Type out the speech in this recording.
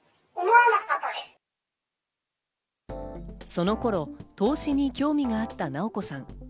その頃、投資に興味があったなおこさん。